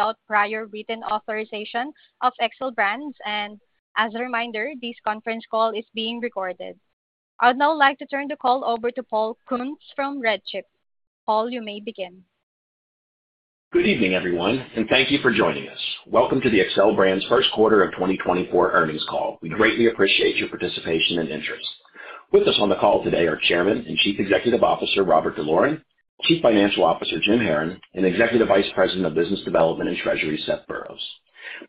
Without prior written authorization of Xcel Brands, and as a reminder, this conference call is being recorded. I'd now like to turn the call over to Paul Kuntz from RedChip. Paul, you may begin. Good evening, everyone, and thank you for joining us. Welcome to the Xcel Brands first quarter of 2024 earnings call. We greatly appreciate your participation and interest. With us on the call today are Chairman and Chief Executive Officer Robert D'Loren, Chief Financial Officer Jim Haran, and Executive Vice President of Business Development and Treasury, Seth Burroughs.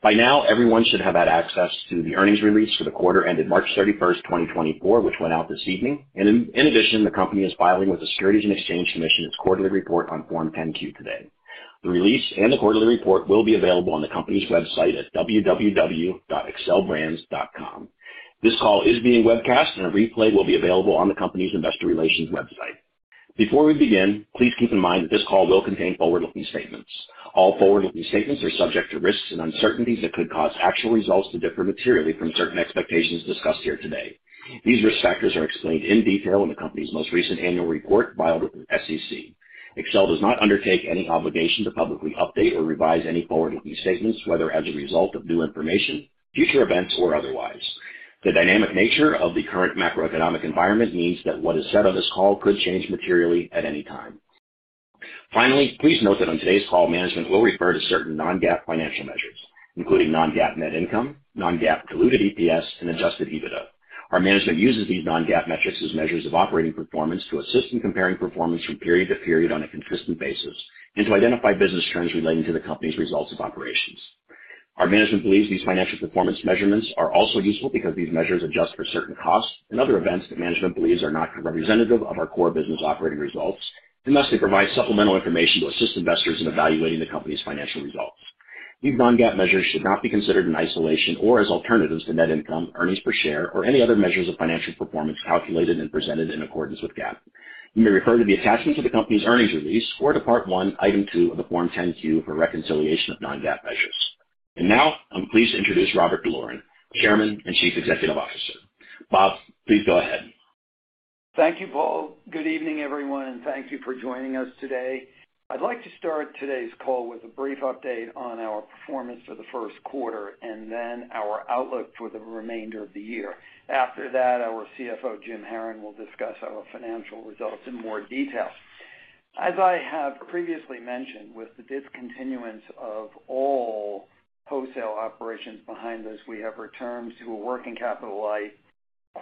By now, everyone should have had access to the earnings release for the quarter ended March 31st, 2024, which went out this evening. In addition, the company is filing with the Securities and Exchange Commission its quarterly report on Form 10-Q today. The release and the quarterly report will be available on the company's website at www.xcelbrands.com. This call is being webcast, and a replay will be available on the company's investor relations website. Before we begin, please keep in mind that this call will contain forward-looking statements. All forward-looking statements are subject to risks and uncertainties that could cause actual results to differ materially from certain expectations discussed here today. These risk factors are explained in detail in the company's most recent annual report, filed with the SEC. Xcel does not undertake any obligation to publicly update or revise any forward-looking statements, whether as a result of new information, future events, or otherwise. The dynamic nature of the current macroeconomic environment means that what is said on this call could change materially at any time. Finally, please note that on today's call, management will refer to certain non-GAAP financial measures, including non-GAAP net income, non-GAAP diluted EPS, and adjusted EBITDA. Our management uses these non-GAAP metrics as measures of operating performance to assist in comparing performance from period to period on a consistent basis and to identify business trends relating to the company's results of operations. Our management believes these financial performance measurements are also useful because these measures adjust for certain costs and other events that management believes are not representative of our core business operating results, and thus they provide supplemental information to assist investors in evaluating the company's financial results. These non-GAAP measures should not be considered in isolation or as alternatives to net income, earnings per share, or any other measures of financial performance calculated and presented in accordance with GAAP. You may refer to the attachments of the company's earnings release or to Part 1, Item 2 of the Form 10-Q for reconciliation of non-GAAP measures. And now, I'm pleased to introduce Robert D'Loren, Chairman and Chief Executive Officer. Bob, please go ahead. Thank you, Paul. Good evening, everyone, and thank you for joining us today. I'd like to start today's call with a brief update on our performance for the first quarter and then our outlook for the remainder of the year. After that, our CFO, Jim Haran, will discuss our financial results in more detail. As I have previously mentioned, with the discontinuance of all wholesale operations behind us, we have returned to a working capital-light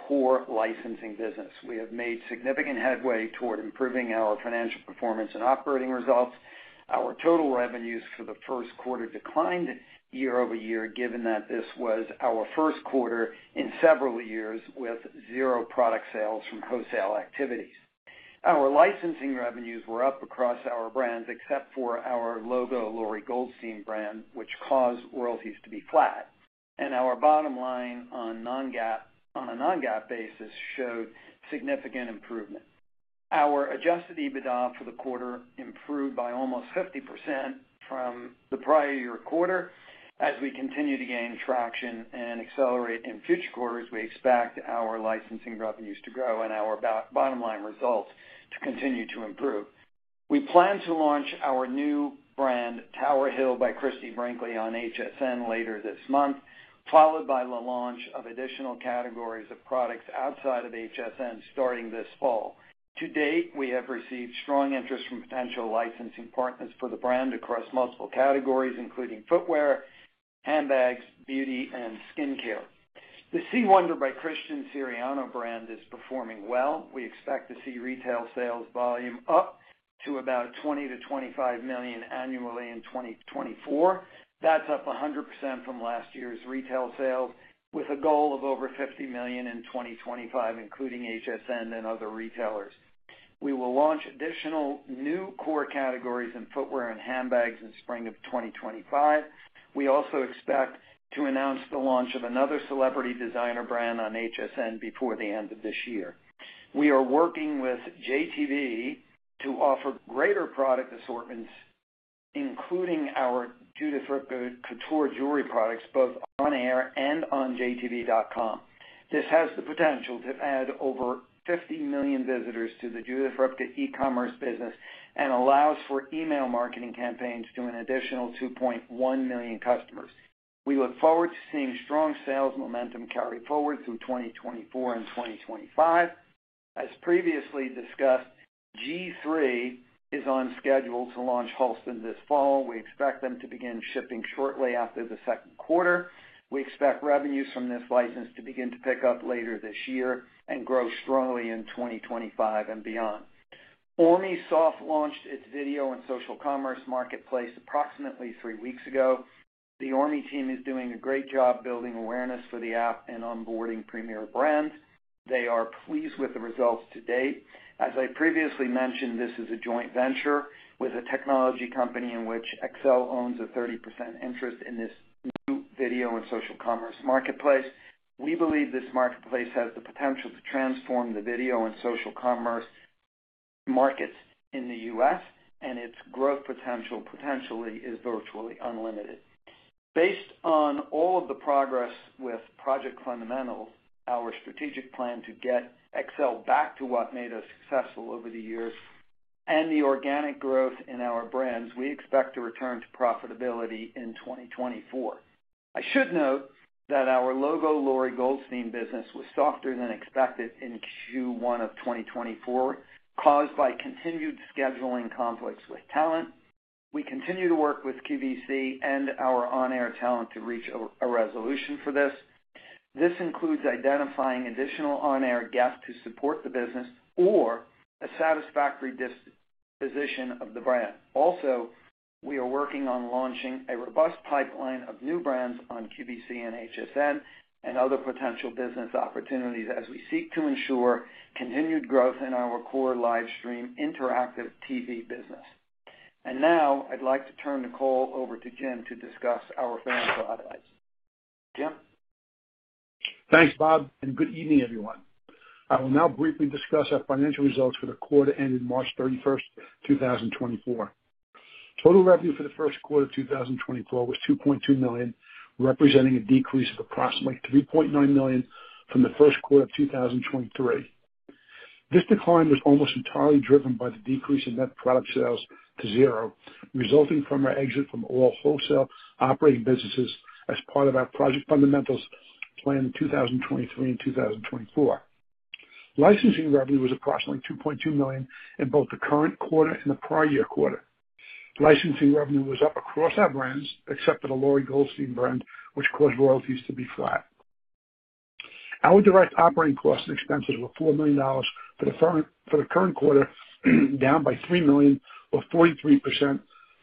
core licensing business. We have made significant headway toward improving our financial performance and operating results. Our total revenues for the first quarter declined year over year, given that this was our first quarter in several years with zero product sales from wholesale activities. Our licensing revenues were up across our brands, except for our LOGO, Lori Goldstein brand, which caused royalties to be flat. And our bottom line on a non-GAAP basis showed significant improvement. Our adjusted EBITDA for the quarter improved by almost 50% from the prior year quarter. As we continue to gain traction and accelerate in future quarters, we expect our licensing revenues to grow and our bottom line results to continue to improve. We plan to launch our new brand, Tower Hill by Christie Brinkley, on HSN later this month, followed by the launch of additional categories of products outside of HSN starting this fall. To date, we have received strong interest from potential licensing partners for the brand across multiple categories, including footwear, handbags, beauty, and skincare. The C. Wonder by Christian Siriano brand is performing well. We expect to see retail sales volume up to about 20-25 million annually in 2024. That's up 100% from last year's retail sales, with a goal of over $50 million in 2025, including HSN and other retailers. We will launch additional new core categories in footwear and handbags in spring of 2025. We also expect to announce the launch of another celebrity designer brand on HSN before the end of this year. We are working with JTV to offer greater product assortments, including our Judith Ripka couture jewelry products, both on air and on JTV.com. This has the potential to add over 50 million visitors to the Judith Ripka e-commerce business and allows for email marketing campaigns to an additional 2.1 million customers. We look forward to seeing strong sales momentum carry forward through 2024 and 2025. As previously discussed, G-III is on schedule to launch Halston this fall. We expect them to begin shipping shortly after the second quarter. We expect revenues from this license to begin to pick up later this year and grow strongly in 2025 and beyond. Orme soft launched its video and social commerce marketplace approximately three weeks ago. The Orme team is doing a great job building awareness for the app and onboarding premier brands. They are pleased with the results to date. As I previously mentioned, this is a joint venture with a technology company in which Xcel owns a 30% interest in this new video and social commerce marketplace. We believe this marketplace has the potential to transform the video and social commerce markets in the US, and its growth potential potentially is virtually unlimited. Based on all of the progress with Project Fundamentals, our strategic plan to get Xcel back to what made us successful over the years and the organic growth in our brands, we expect to return to profitability in 2024. I should note that our LOGO, Lori Goldstein business, was softer than expected in Q1 of 2024, caused by continued scheduling conflicts with talent. We continue to work with QVC and our on-air talent to reach a resolution for this. This includes identifying additional on-air guests to support the business or a satisfactory position of the brand. Also, we are working on launching a robust pipeline of new brands on QVC and HSN and other potential business opportunities as we seek to ensure continued growth in our core live stream interactive TV business. And now, I'd like to turn the call over to Jim to discuss our financial outlook. Jim. Thanks, Bob, and good evening, everyone. I will now briefly discuss our financial results for the quarter ended March 31st, 2024. Total revenue for the first quarter of 2024 was $2.2 million, representing a decrease of approximately $3.9 million from the first quarter of 2023. This decline was almost entirely driven by the decrease in net product sales to zero, resulting from our exit from all wholesale operating businesses as part of our Project Fundamentals planned in 2023 and 2024. Licensing revenue was approximately $2.2 million in both the current quarter and the prior year quarter. Licensing revenue was up across our brands, except for the Lori Goldstein brand, which caused royalties to be flat. Our direct operating costs and expenses were $4 million for the current quarter, down by $3 million, or 43%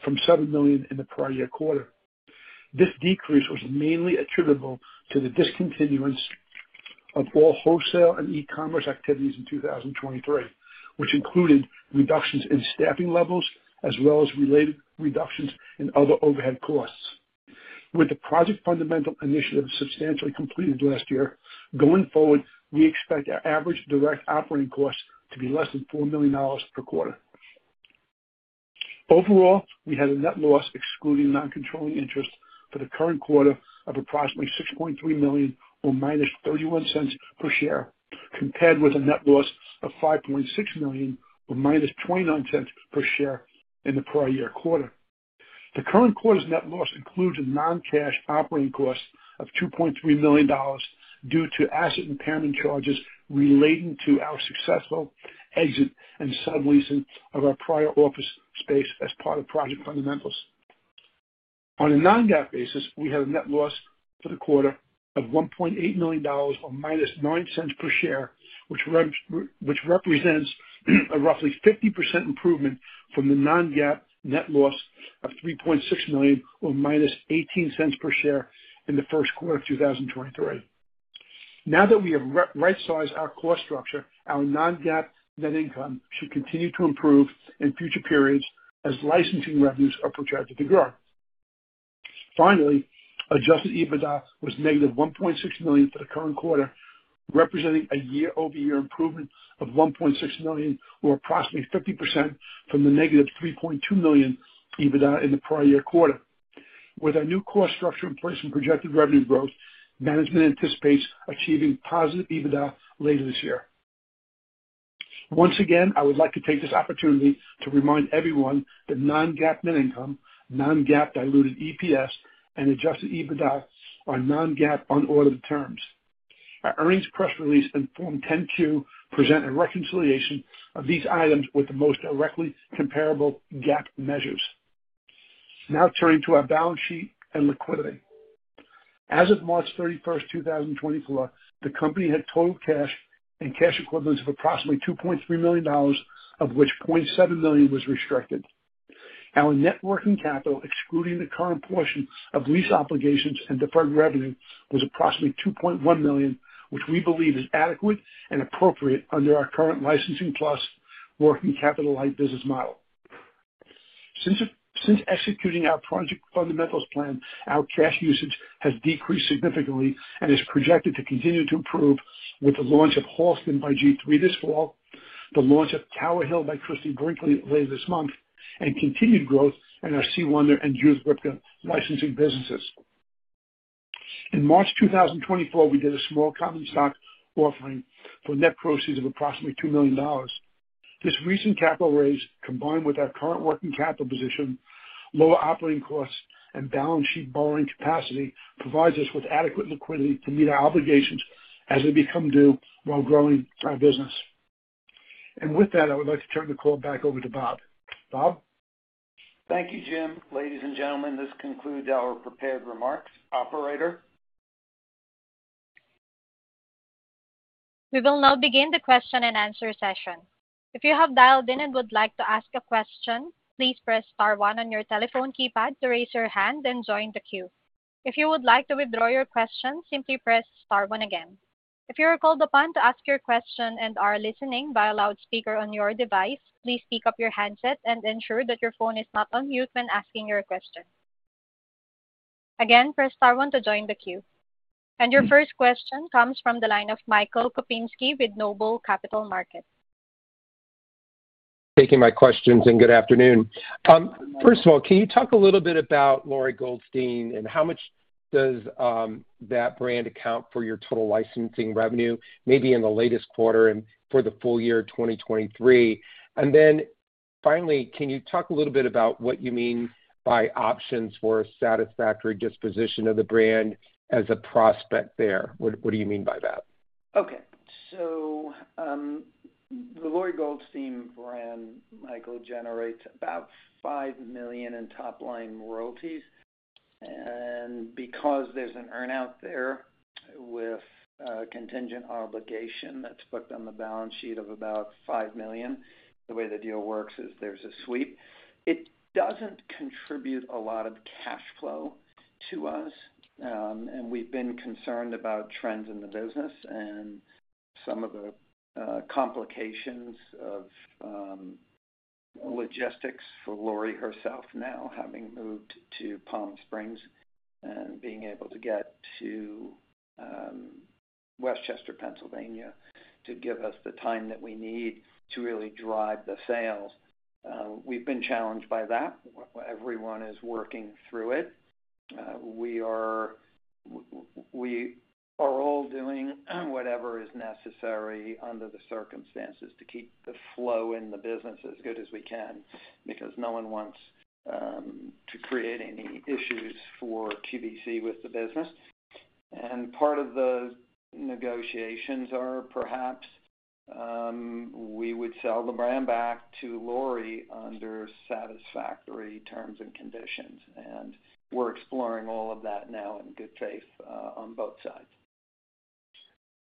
from $7 million in the prior year quarter. This decrease was mainly attributable to the discontinuance of all wholesale and e-commerce activities in 2023, which included reductions in staffing levels as well as related reductions in other overhead costs. With the Project Fundamentals initiative substantially completed last year, going forward, we expect our average direct operating costs to be less than $4 million per quarter. Overall, we had a net loss, excluding non-controlling interest, for the current quarter of approximately $6.3 million, or -$0.31 per share, compared with a net loss of $5.6 million, or -$0.29 per share in the prior year quarter. The current quarter's net loss includes a non-cash operating cost of $2.3 million due to asset impairment charges relating to our successful exit and subleasing of our prior office space as part of Project Fundamentals. On a non-GAAP basis, we had a net loss for the quarter of $1.8 million, or minus $0.09 per share, which represents a roughly 50% improvement from the non-GAAP net loss of $3.6 million, or minus $0.18 per share in the first quarter of 2023. Now that we have right-sized our cost structure, our non-GAAP net income should continue to improve in future periods as licensing revenues are projected to grow. Finally, adjusted EBITDA was negative $1.6 million for the current quarter, representing a year-over-year improvement of $1.6 million, or approximately 50% from the negative $3.2 million EBITDA in the prior year quarter. With our new cost structure in place and projected revenue growth, management anticipates achieving positive EBITDA later this year. Once again, I would like to take this opportunity to remind everyone that non-GAAP net income, non-GAAP diluted EPS, and adjusted EBITDA are non-GAAP unaudited terms. Our earnings press release and Form 10-Q present a reconciliation of these items with the most directly comparable GAAP measures. Now, turning to our balance sheet and liquidity. As of March 31st, 2024, the company had total cash and cash equivalents of approximately $2.3 million, of which $0.7 million was restricted. Our net working capital, excluding the current portion of lease obligations and deferred revenue, was approximately $2.1 million, which we believe is adequate and appropriate under our current licensing plus working capital-light business model. Since executing our Project Fundamentals plan, our cash usage has decreased significantly and is projected to continue to improve with the launch of Halston by G-III this fall, the launch of Tower Hill by Christie Brinkley later this month, and continued growth in our C. Wonder and Judith Ripka licensing businesses. In March 2024, we did a small common stock offering for net proceeds of approximately $2 million. This recent capital raise, combined with our current working capital position, lower operating costs, and balance sheet borrowing capacity, provides us with adequate liquidity to meet our obligations as they become due while growing our business. And with that, I would like to turn the call back over to Bob. Bob? Thank you, Jim. Ladies and gentlemen, this concludes our prepared remarks. Operator. We will now begin the question and answer session. If you have dialed in and would like to ask a question, please press star one on your telephone keypad to raise your hand and join the queue. If you would like to withdraw your question, simply press star one again. If you are called upon to ask your question and are listening by a loudspeaker on your device, please pick up your handset and ensure that your phone is not on mute when asking your question. Again, press star one to join the queue. And your first question comes from the line of Michael Kupinski with Noble Capital Markets. Taking my questions, and good afternoon. First of all, can you talk a little bit about Lori Goldstein and how much does that brand account for your total licensing revenue, maybe in the latest quarter and for the full year 2023? And then finally, can you talk a little bit about what you mean by options for a satisfactory disposition of the brand as a prospect there? What do you mean by that? Okay. So the Lori Goldstein brand, Michael, generates about $5 million in top-line royalties. And because there's an earnout there with a contingent obligation that's booked on the balance sheet of about $5 million, the way the deal works is there's a sweep. It doesn't contribute a lot of cash flow to us. And we've been concerned about trends in the business and some of the complications of logistics for Lori herself now, having moved to Palm Springs and being able to get to West Chester, Pennsylvania, to give us the time that we need to really drive the sales. We've been challenged by that. Everyone is working through it. We are all doing whatever is necessary under the circumstances to keep the flow in the business as good as we can because no one wants to create any issues for QVC with the business. And part of the negotiations are perhaps we would sell the brand back to Lori under satisfactory terms and conditions. And we're exploring all of that now in good faith on both sides.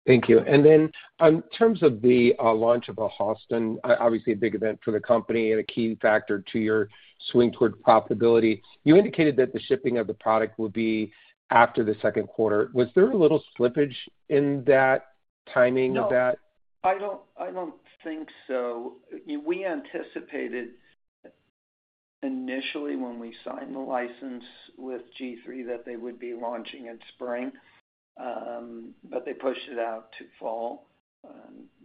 Thank you. And then in terms of the launch of a Halston, obviously a big event for the company and a key factor to your swing toward profitability, you indicated that the shipping of the product would be after the second quarter. Was there a little slippage in that timing of that? No, I don't think so. We anticipated initially when we signed the license with G-III that they would be launching in spring, but they pushed it out to fall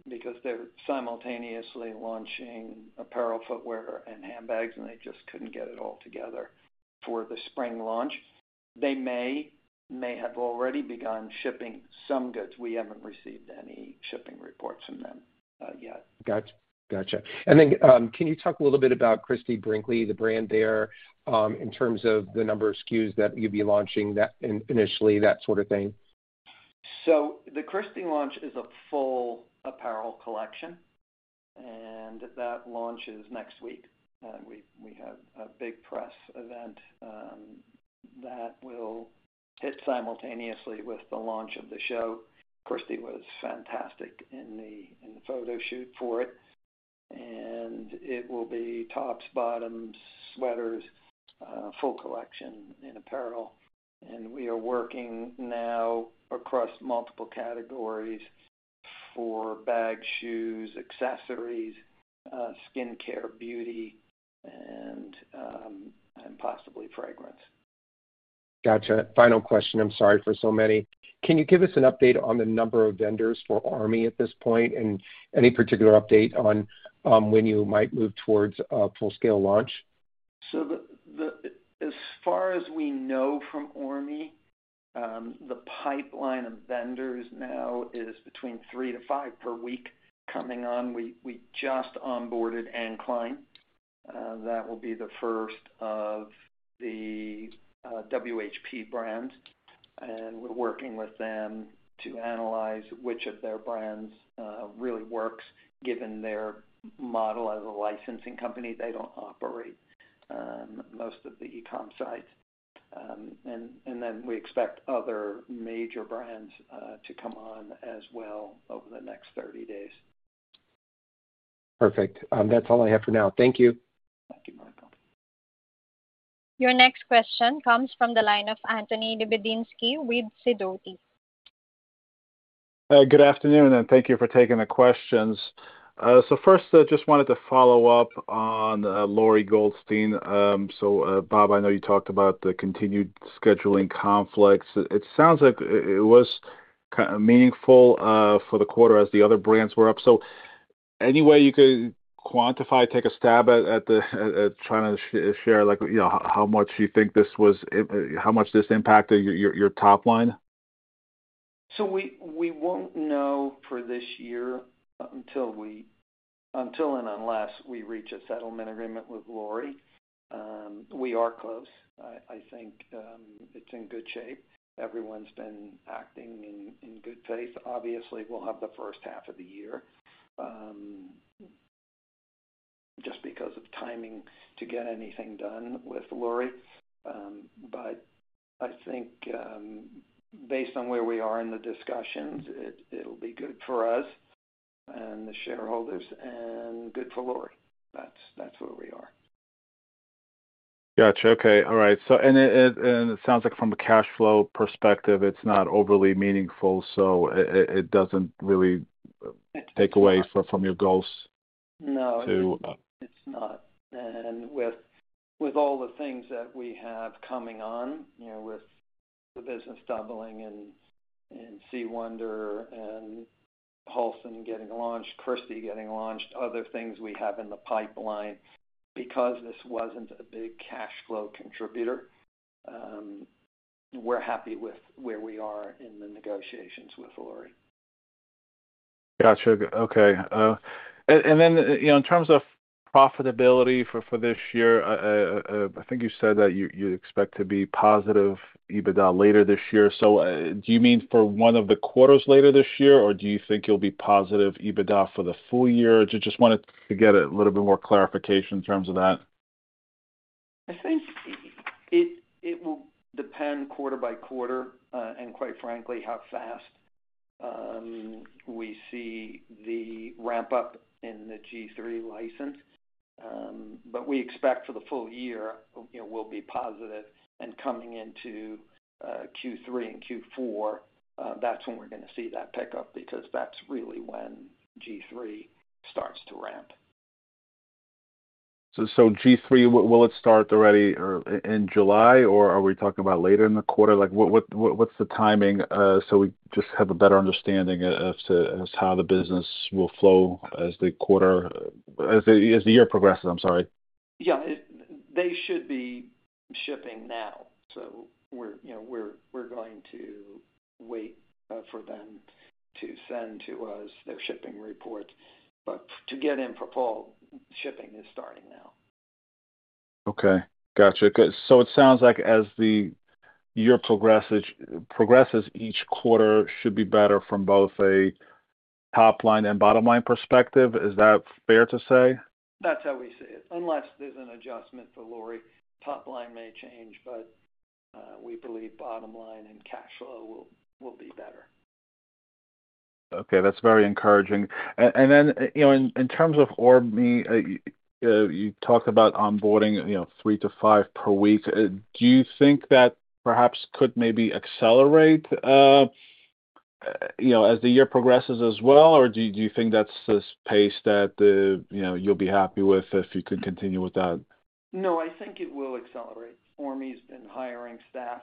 because they're simultaneously launching apparel, footwear, and handbags, and they just couldn't get it all together for the spring launch. They may have already begun shipping some goods. We haven't received any shipping reports from them yet. Gotcha. And then can you talk a little bit about Christie Brinkley, the brand there, in terms of the number of SKUs that you'd be launching initially, that sort of thing? So the Christie launch is a full apparel collection, and that launches next week. We have a big press event that will hit simultaneously with the launch of the show. Christie was fantastic in the photo shoot for it. And it will be tops, bottoms, sweaters, full collection in apparel. And we are working now across multiple categories for bags, shoes, accessories, skincare, beauty, and possibly fragrance. Gotcha. Final question. I'm sorry for so many. Can you give us an update on the number of vendors for Orme at this point and any particular update on when you might move towards a full-scale launch? As far as we know from Orme, the pipeline of vendors now is between three to five per week coming on. We just onboarded Anne Klein. That will be the first of the WHP brand. And we're working with them to analyze which of their brands really works, given their model as a licensing company. They don't operate most of the e-comm sites. And then we expect other major brands to come on as well over the next 30 days. Perfect. That's all I have for now. Thank you. Thank you, Michael. Your next question comes from the line of Anthony Lebiedzinski with Sidoti. Good afternoon, and thank you for taking the questions. So first, I just wanted to follow up on Lori Goldstein. So Bob, I know you talked about the continued scheduling conflicts. It sounds like it was meaningful for the quarter as the other brands were up. So any way you could quantify, take a stab at trying to share how much you think this was, how much this impacted your top line? So we won't know for this year until and unless we reach a settlement agreement with Lori. We are close. I think it's in good shape. Everyone's been acting in good faith. Obviously, we'll have the first half of the year just because of timing to get anything done with Lori. But I think based on where we are in the discussions, it'll be good for us and the shareholders and good for Lori. That's where we are. Gotcha. Okay. All right. And it sounds like from a cash flow perspective, it's not overly meaningful, so it doesn't really take away from your goals to. No, it's not, and with all the things that we have coming on, with the business doubling and C. Wonder and Halston getting launched, Christie getting launched, other things we have in the pipeline, because this wasn't a big cash flow contributor, we're happy with where we are in the negotiations with Lori. Gotcha. Okay. And then in terms of profitability for this year, I think you said that you expect to be positive EBITDA later this year. So do you mean for one of the quarters later this year, or do you think you'll be positive EBITDA for the full year? Just wanted to get a little bit more clarification in terms of that. I think it will depend quarter by quarter and quite frankly how fast we see the ramp-up in the G-III license. But we expect for the full year, we'll be positive. And coming into Q3 and Q4, that's when we're going to see that pickup because that's really when G-III starts to ramp. So G-III, will it start already in July, or are we talking about later in the quarter? What's the timing so we just have a better understanding as to how the business will flow as the quarter, as the year progresses? I'm sorry. Yeah. They should be shipping now. So we're going to wait for them to send to us their shipping reports. But to get in for fall, shipping is starting now. Okay. Gotcha. So it sounds like as the year progresses each quarter should be better from both a top-line and bottom-line perspective. Is that fair to say? That's how we see it. Unless there's an adjustment for Lori, top-line may change, but we believe bottom-line and cash flow will be better. Okay. That's very encouraging. And then in terms of Orme, you talked about onboarding three to five per week. Do you think that perhaps could maybe accelerate as the year progresses as well, or do you think that's the pace that you'll be happy with if you can continue with that? No, I think it will accelerate. Orme's been hiring staff,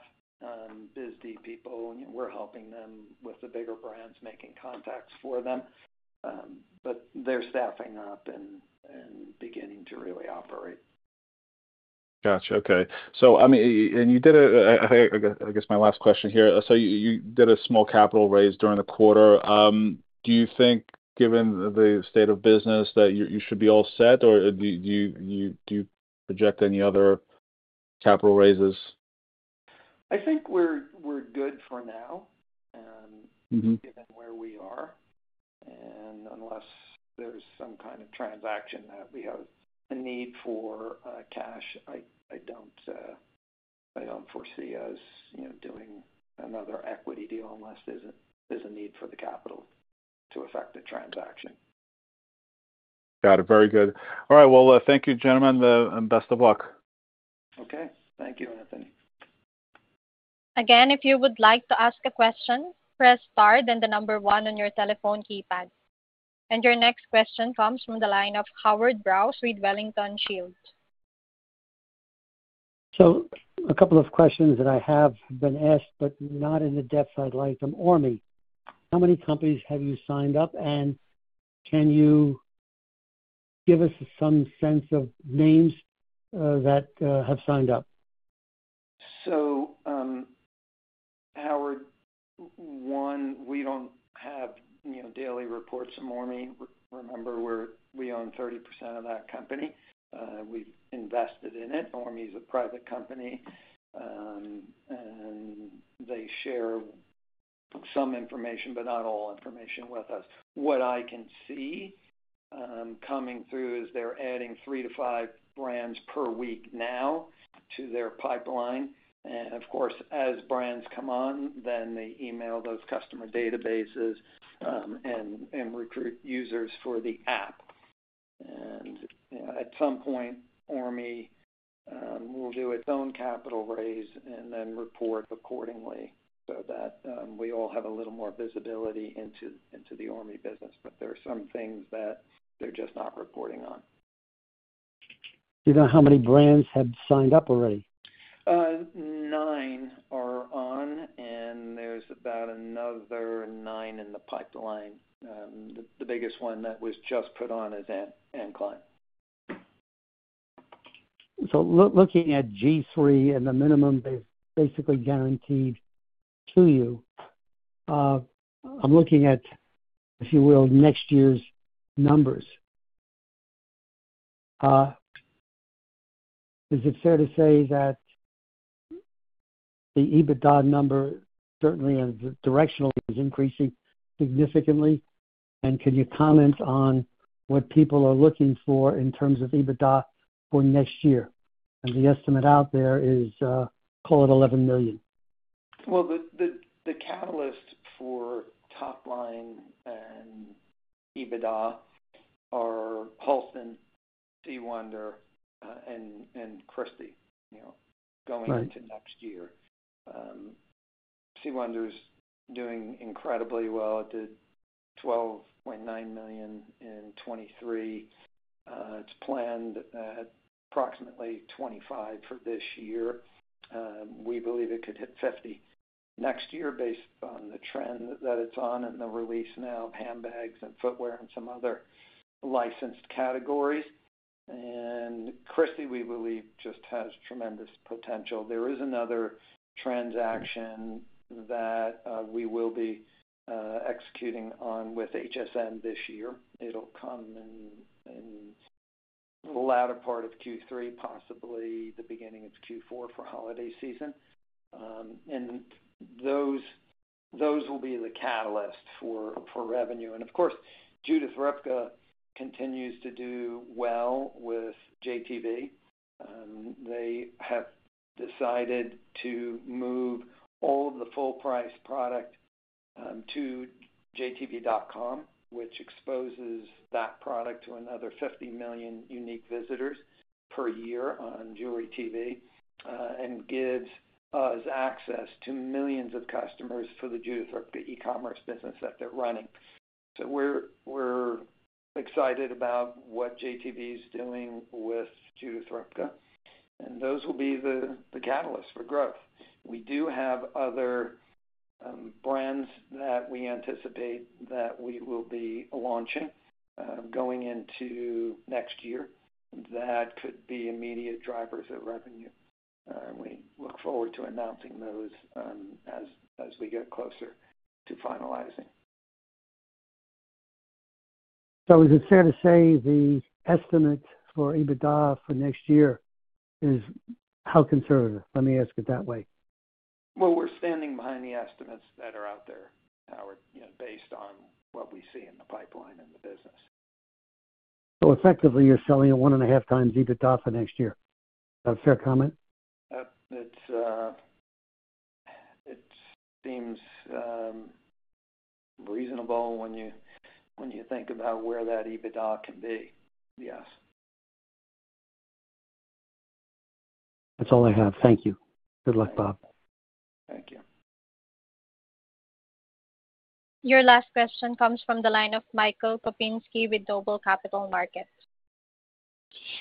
busy people. We're helping them with the bigger brands, making contacts for them. But they're staffing up and beginning to really operate. Gotcha. Okay. And you did a, I guess my last question here. So you did a small capital raise during the quarter. Do you think, given the state of business, that you should be all set, or do you project any other capital raises? I think we're good for now, given where we are, and unless there's some kind of transaction that we have a need for cash, I don't foresee us doing another equity deal unless there's a need for the capital to affect the transaction. Got it. Very good. All right. Well, thank you, gentlemen, and best of luck. Okay. Thank you, Anthony. Again, if you would like to ask a question, press star then the number one on your telephone keypad. And your next question comes from the line of Howard Brous with Wellington Shields. So a couple of questions that I have been asked, but not in the depth I'd like them. ORME, how many companies have you signed up, and can you give us some sense of names that have signed up? Howard, one, we don't have daily reports from Orme. Remember, we own 30% of that company. We've invested in it. Orme's a private company, and they share some information, but not all information with us. What I can see coming through is they're adding three to five brands per week now to their pipeline. And of course, as brands come on, then they email those customer databases and recruit users for the app. And at some point, Orme will do its own capital raise and then report accordingly so that we all have a little more visibility into the Orme business. But there are some things that they're just not reporting on. Do you know how many brands have signed up already? Nine are on, and there's about another nine in the pipeline. The biggest one that was just put on is Anne Klein. Looking at G-III and the minimum they've basically guaranteed to you, I'm looking at, if you will, next year's numbers. Is it fair to say that the EBITDA number certainly and directionally is increasing significantly? And can you comment on what people are looking for in terms of EBITDA for next year? And the estimate out there is, call it $11 million. The catalyst for top-line and EBITDA are Halston, C. Wonder, and Christie going into next year. C. Wonder's doing incredibly well. It did $12.9 million in 2023. It's planned at approximately 25 for this year. We believe it could hit 50 next year based on the trend that it's on and the release now of handbags and footwear and some other licensed categories. And Christie, we believe, just has tremendous potential. There is another transaction that we will be executing on with HSN this year. It'll come in the latter part of Q3, possibly the beginning of Q4 for holiday season. And those will be the catalyst for revenue. And of course, Judith Ripka continues to do well with JTV. They have decided to move all of the full-price product to JTV.com, which exposes that product to another 50 million unique visitors per year on Jewelry Television and gives us access to millions of customers for the Judith Ripka e-commerce business that they're running. So we're excited about what JTV is doing with Judith Ripka. And those will be the catalyst for growth. We do have other brands that we anticipate that we will be launching going into next year that could be immediate drivers of revenue. And we look forward to announcing those as we get closer to finalizing. So is it fair to say the estimate for EBITDA for next year is how conservative? Let me ask it that way. We're standing behind the estimates that are out there, Howard, based on what we see in the pipeline and the business. So effectively, you're selling at one and a half times EBITDA for next year. Is that a fair comment? It seems reasonable when you think about where that EBITDA can be. Yes. That's all I have. Thank you. Good luck, Bob. Thank you. Your last question comes from the line of Michael Kupinski with Noble Capital Markets.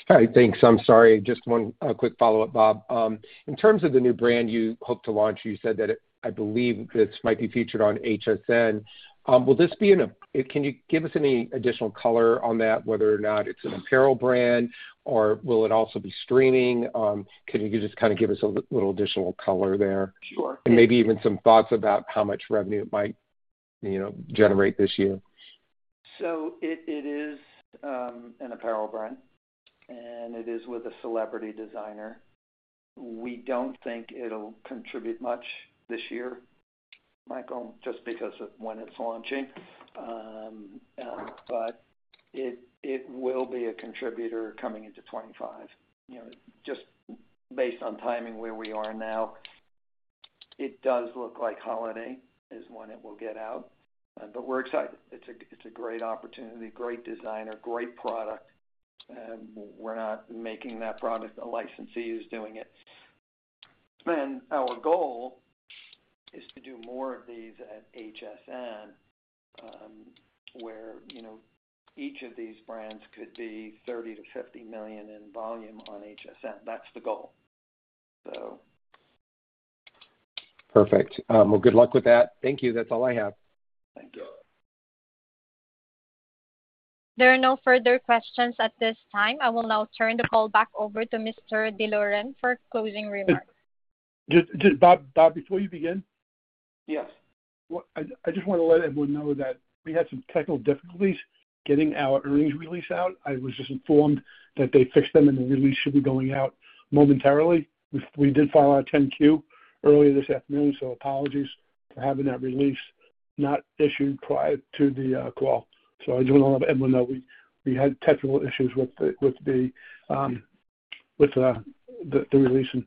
All right. Thanks. I'm sorry. Just one quick follow-up, Bob. In terms of the new brand you hope to launch, you said that I believe this might be featured on HSN. Will this be in a, can you give us any additional color on that, whether or not it's an apparel brand, or will it also be streaming? Can you just kind of give us a little additional color there? Sure. Maybe even some thoughts about how much revenue it might generate this year. So it is an apparel brand, and it is with a celebrity designer. We don't think it'll contribute much this year, Michael, just because of when it's launching. But it will be a contributor coming into 2025. Just based on timing where we are now, it does look like holiday is when it will get out. But we're excited. It's a great opportunity, great designer, great product. We're not making that product. A licensee is doing it. And our goal is to do more of these at HSN, where each of these brands could be $30 million-$50 million in volume on HSN. That's the goal, so. Perfect. Well, good luck with that. Thank you. That's all I have. Thank you. There are no further questions at this time. I will now turn the call back over to Mr. D'Loren for closing remarks. Bob, before you begin? Yes. I just want to let everyone know that we had some technical difficulties getting our earnings release out. I was just informed that they fixed them, and the release should be going out momentarily. We did file our 10-Q earlier this afternoon, so apologies for having that release not issued prior to the call. So I just want to let everyone know we had technical issues with the release, and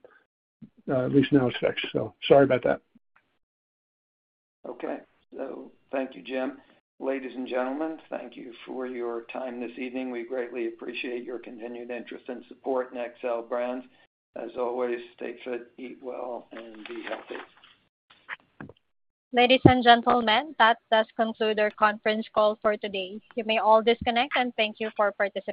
at least now it's fixed. So sorry about that. Okay. So thank you, Jim. Ladies and gentlemen, thank you for your time this evening. We greatly appreciate your continued interest and support in Xcel Brands. As always, stay fit, eat well, and be healthy. Ladies and gentlemen, that does conclude our conference call for today. You may all disconnect, and thank you for participating.